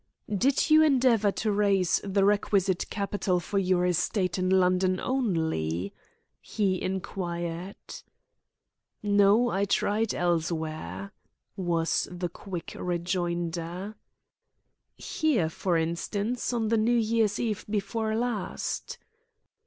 "Did you endeavour to raise the requisite capital for your estate in London only?" he inquired. "No; I tried elsewhere," was the quick rejoinder. "Here, for instance, on the New Year's Eve before last?"